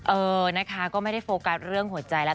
เออนะคะก็ไม่ได้โฟกัสเรื่องหัวใจแล้ว